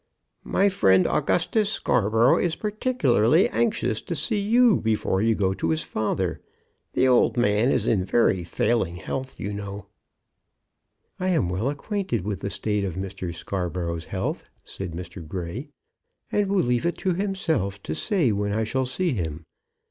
"My friend, Augustus Scarborough, is particularly anxious to see you before you go to his father. The old man is in very failing health, you know." "I am well acquainted with the state of Mr. Scarborough's health," said Mr. Grey, "and will leave it to himself to say when I shall see him.